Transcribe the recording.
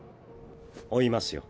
追いますよ。